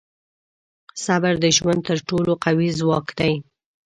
• صبر د ژوند تر ټولو قوي ځواک دی.